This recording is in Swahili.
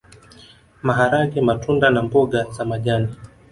Maharage matunda na mboga za majani